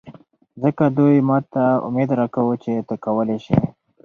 ځکه دوي ماته اميد راکوه چې ته کولې شې.